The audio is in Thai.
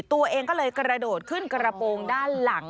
ตัวเองก็เลยกระโดดขึ้นกระโปรงด้านหลัง